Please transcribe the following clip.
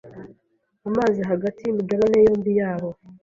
amazi hagati y'imigabane yombi yabo